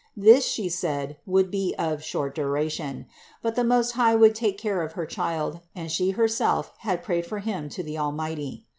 This, She said, would be of short duration ; but the Most High would take care of her child, and She 230 THE INCARNATION 231 herself had prayed for him to the Almighty.